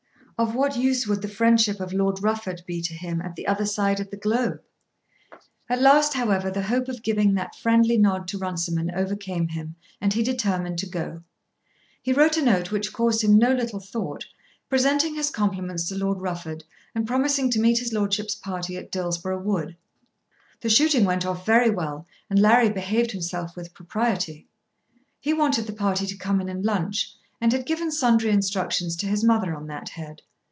Of what use would the friendship of Lord Rufford be to him at the other side of the globe? At last, however, the hope of giving that friendly nod to Runciman overcame him, and he determined to go. He wrote a note, which caused him no little thought, presenting his compliments to Lord Rufford and promising to meet his lordship's party at Dillsborough Wood. The shooting went off very well and Larry behaved himself with propriety. He wanted the party to come in and lunch, and had given sundry instructions to his mother on that head.